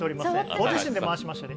ご自身で回しましたよね。